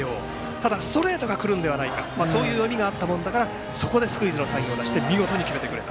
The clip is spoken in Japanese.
ただ、ストレートがくるのではないかそういう読みがあったもんだからスクイズのサインを出して見事に決めてくれた。